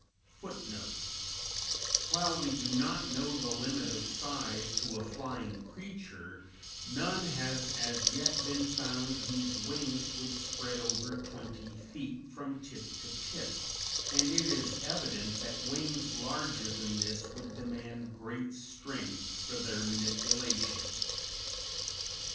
_While we do not know the limit of size to a flying creature, none has as yet been found whose wings would spread over twenty feet from tip to tip, and it is evident that wings larger than this would demand great strength for their manipulation.